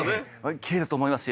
きれいだと思いますよ